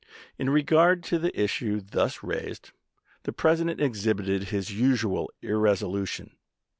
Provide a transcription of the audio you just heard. In regard to the issue thus raised, the President exhibited his usual irresolution.